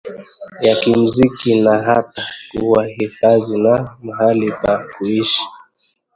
ya kimuziki na hata kuwahifadhi na mahali pa kuishi